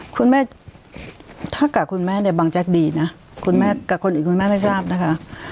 คุณแม่ถ้ากับคุณแม่เนี่ยบังแจ๊กดีนะคุณแม่กับคนอื่นคุณแม่ไม่ทราบนะคะ